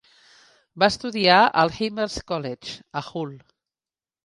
Va estudiar al Hymers College, a Hull.